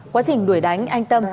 quá trình đuổi đánh anh tâm